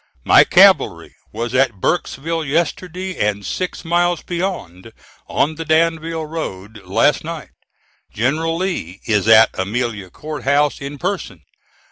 My cavalry was at Burkesville yesterday, and six miles beyond, on the Danville Road, last night. General Lee is at Amelia Court House in person.